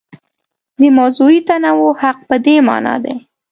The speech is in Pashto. د موضوعي تنوع حق په دې مانا دی.